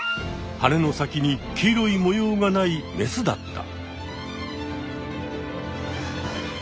はねの先に黄色い模様がないメスだった。